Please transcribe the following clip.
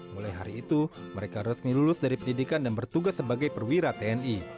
mulai hari itu mereka resmi lulus dari pendidikan dan bertugas sebagai perwira tni